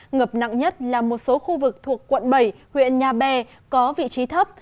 ngập nặng nhất là một số khu vực thuộc quận bảy huyện nhà bè có vị trí thấp